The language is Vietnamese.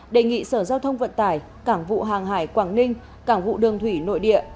đề nghị sở giao thông vận tải cảng vụ hàng hải quảng ninh cảng vụ đường thủy nội địa